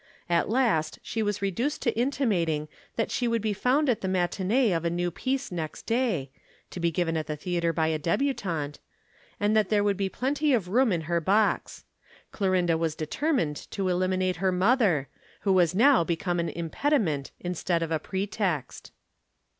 At last she was reduced to intimating that she would be found at the matinée of a new piece next day (to be given at the theatre by a débutante) and that there would be plenty of room in her box. Clorinda was determined to eliminate her mother, who was now become an impediment instead of a pretext.